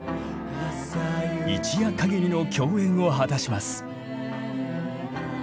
一夜限りの共演を果たします。